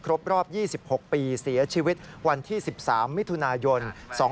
รอบ๒๖ปีเสียชีวิตวันที่๑๓มิถุนายน๒๕๖